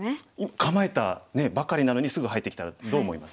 構えたばかりなのにすぐ入ってきたらどう思います？